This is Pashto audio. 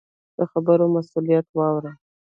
د خبرو مسؤلیت واوره.